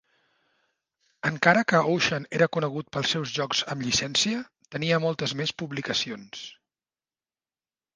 Encara que Ocean era conegut pels seus jocs amb llicència, tenia moltes més publicacions.